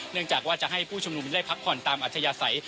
จากว่าจะให้ผู้ชุมนุมได้พักผ่อนตามอัธยาศัย